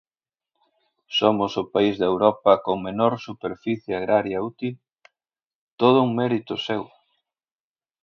Somos o país de Europa con menor superficie agraria útil, ¡todo un mérito seu!